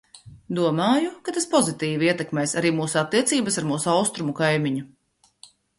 Domāju, ka tas pozitīvi ietekmēs arī mūsu attiecības ar mūsu Austrumu kaimiņu.